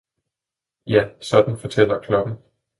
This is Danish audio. Ja, sådan fortæller klokken.